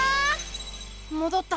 もどった！